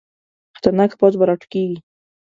خطرناکه پوځ به راوټوکېږي.